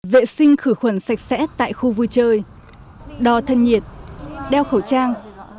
vệ sinh khử khuẩn sạch sẽ tại khu vui chơi đo thân nhiệt đeo khẩu trang